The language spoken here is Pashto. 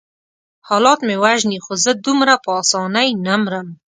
حالات مې وژني خو زه دومره په آسانۍ نه مرم.